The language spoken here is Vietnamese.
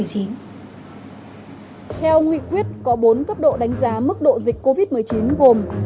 theo nghị quyết có bốn cấp độ đánh giá mức độ dịch covid một mươi chín gồm